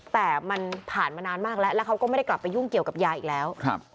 แต่มันผ่านมานานมากแล้วแล้วเขาก็ไม่ได้กลับไปยุ่งเกี่ยวกับยาอีกแล้ว